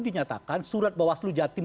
dinyatakan surat bawaslu jatim